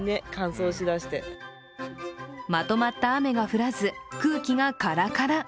まとまった雨が降らず、空気がカラカラ。